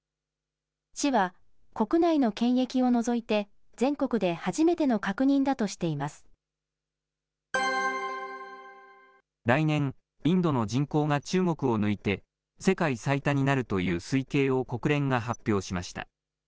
市は国内の検疫を除いて全国で初来年、インドの人口が中国を抜いて世界最多になるという推計を国連が発表しました。